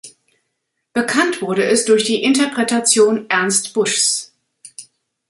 Bekannt wurde es durch die Interpretation Ernst Buschs.